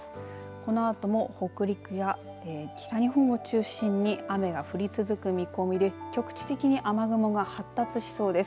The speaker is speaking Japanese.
このあとも北陸や北日本を中心に雨が降り続く見込みで局地的に雨雲が発達しそうです。